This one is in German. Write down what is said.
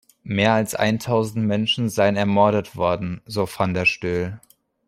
Mehr als eintausend Menschen seien ermordet worden, so van der Stoel.